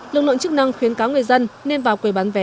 lực lượng chức năng khuyến cáo người dân nên vào quầy bán vé